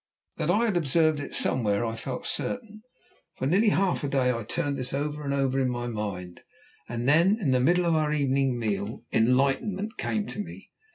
That I had observed it somewhere I felt certain. For nearly half the day I turned this over and over in my mind, and then, in the middle of our evening meal, enlightenment came to me.